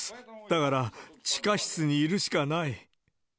だから、地下室にいるしかない。